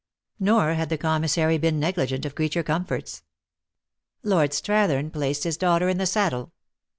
Nor had the commissary been negligent of creature comforts. Lord Strathern placed his daughter in the saddle.